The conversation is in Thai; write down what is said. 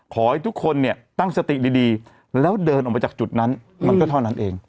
ขอให้ทุกคนเนี่ยตั้งสติดีแล้วเดินออกไปจากจุดนั้นมันก็เท่านั้นเอง